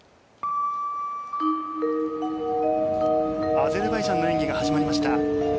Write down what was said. アゼルバイジャンの演技が始まりました。